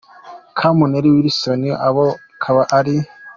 com Nelly Wilson abo kaba ari:.